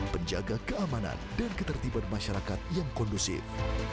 penjaga keamanan dan ketertiban masyarakat yang kondusif